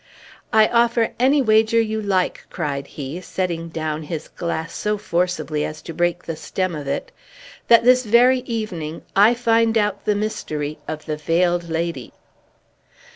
"I offer any wager you like," cried he, setting down his glass so forcibly as to break the stem of it, "that this very evening I find out the mystery of the Veiled Lady!"